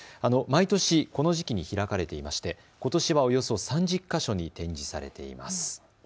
毎年この時期に開かれていましてことしはおよそ３０か所に展示されています。